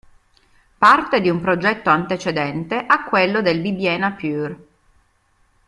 Parte di un progetto antecedente a quello del Bibiena pure.